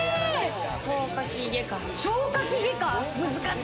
消化器外科。